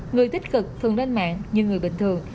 người tích cực thường lên mạng như người bình thường